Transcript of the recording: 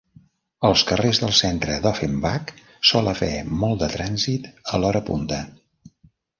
Als carrers del centre d'Offenbach sol haver molt de trànsit a l'hora punta.